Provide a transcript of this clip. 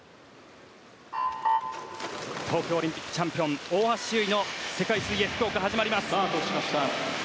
東京オリンピックチャンピオン大橋悠依の世界水泳福岡が始まりました。